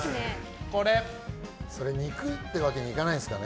それ肉ってわけにいかないんですかね。